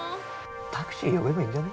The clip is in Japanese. タクシー呼べばいいんじゃね？